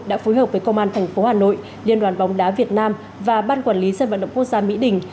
đã phối hợp với công an tp hà nội liên đoàn bóng đá việt nam và ban quản lý sân vận động quốc gia mỹ đình